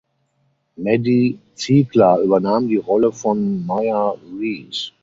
Maddie Ziegler übernahm die Rolle von Mia Reed.